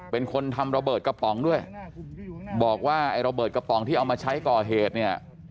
เป็นคนทำระเบิดกระป๋องด้วยบอกว่าไอ้ระเบิดกระป๋องที่เอามาใช้ก่อเหตุเนี่ย